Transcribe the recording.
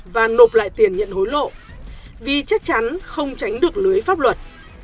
và nộp lại tiền nhận hối lộ vì chắc chắn không tránh được lưới pháp luật